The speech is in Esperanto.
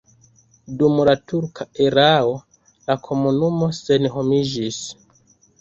Dum la turka erao la komunumo senhomiĝis.